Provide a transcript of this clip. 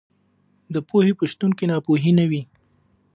د پوهې په شتون کې ناپوهي نه وي.